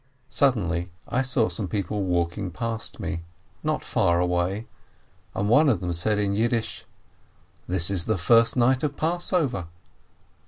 Suddenly I saw some people walking past me, not far away, and one of them said in Yiddish, "This is the first night of Passover."